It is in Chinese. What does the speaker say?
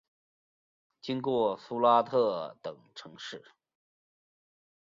经过苏拉特等城市。